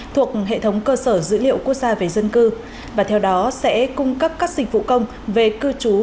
thuộc hệ thống cơ sở dữ liệu quốc gia về dân cư và theo đó sẽ cung cấp các dịch vụ công về cư trú